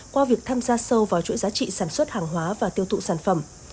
qua việc tham gia sâu vào chuỗi giá trị sản xuất hàng hóa và tiêu thụ sản phẩm